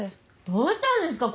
どうしたんですか？